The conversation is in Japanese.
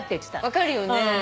分かるよね。